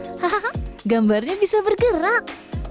hahaha gambarnya bisa bergerak